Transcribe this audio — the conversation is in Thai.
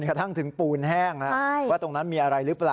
ถ้าเราไปดูจริงมันก็ต้องไล่เวลาดูเนอะ